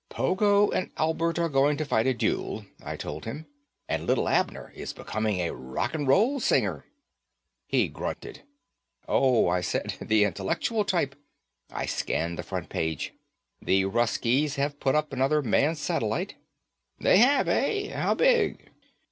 "Pogo and Albert are going to fight a duel," I told him, "and Lil Abner is becoming a rock'n'roll singer." He grunted. "Oh," I said, "the intellectual type." I scanned the front page. "The Russkies have put up another manned satellite." "They have, eh? How big?"